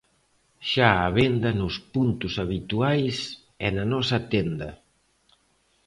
Xa á venda nos puntos habituais e na nosa tenda.